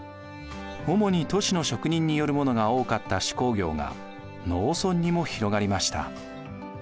主に都市の職人によるものが多かった手工業が農村にも広がりました。